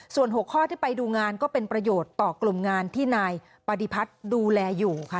ส่วน๖ข้อที่ไปดูงานก็เป็นประโยชน์ต่อกลุ่มงานที่นายปฏิพัฒน์ดูแลอยู่ค่ะ